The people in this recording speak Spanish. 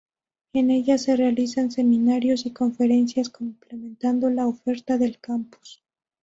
En ellas se realizan seminarios y conferencias, complementando la oferta del campus.